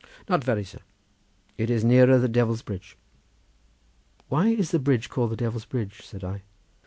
said I. "Not very, sir; it is nearer the Devil's Bridge." "Why is the bridge called the Devil's Bridge?" said I.